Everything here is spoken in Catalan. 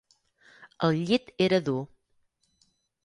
El llit era dur.